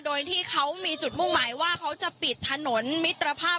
โดยที่เขามีจุดมุ่งหมายว่าเขาจะปิดถนนมิตรภาพ